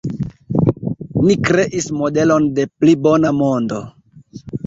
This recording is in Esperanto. Ni kreis modelon de pli bona mondo.